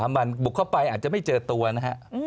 มันบุกเข้าไปอาจจะไม่เจอตัวนะฮะ